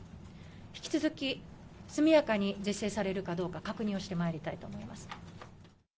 引き続き、速やかに実践されるか確認をしてまいりたいと思います。